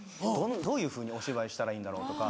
どういうふうにお芝居したらいいんだろうとか。